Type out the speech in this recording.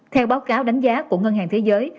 theo báo cáo đánh giá của ngân hàng thế giới